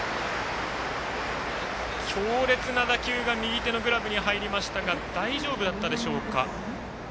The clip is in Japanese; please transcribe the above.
強烈な打球が右手のグラブに入りましたが大丈夫だったでしょうか。